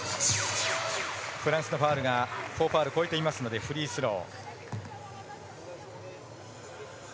フランスのファウルが４ファウル超えていますのでフリースロー。